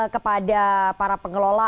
kepada para pengelola